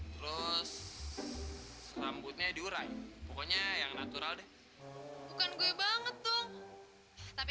terus rambutnya diurai pokoknya yang natural deh bukan gue banget tuh tapi